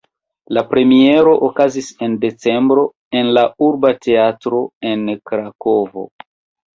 La premiero okazis en decembro en la Urba Teatro en Krakovo.